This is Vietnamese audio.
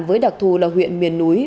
với đặc thù là huyện miền núi